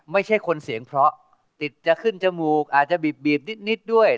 ไม่ใช่คนเสียงเพราะติดจะขึ้นจมูกอาจจะบีบนิดด้วย